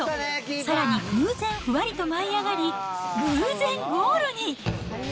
さらに、偶然ふわりと舞い上がり、偶然ゴールに。